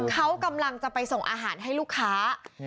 เขากำลังจะไปส่งอาหารให้ลูกค้า